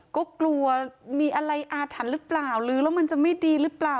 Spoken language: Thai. ก็กลัวมีอะไรอาถรรพ์หรือเปล่าหรือแล้วมันจะไม่ดีหรือเปล่า